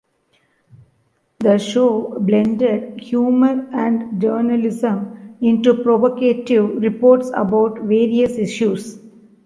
The show blended humor and journalism into provocative reports about various issues.